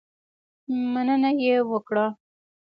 مننه یې وکړه.